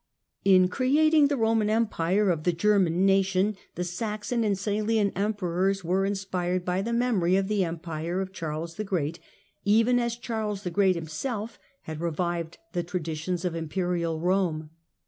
In creating the Eoman Empire of the German Nation, Feudai the Saxon and Salian Emperors were inspired by the cSirch! memory of the Empire of Charles the Great, even as ^^*^® Charles the Great himself had revived the traditions of imperial Eome.